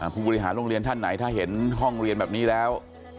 ผู้บริหารโรงเรียนท่านไหนถ้าเห็นห้องเรียนแบบนี้แล้ว